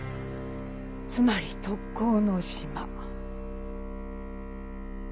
つまり特攻の島。